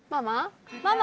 ママ？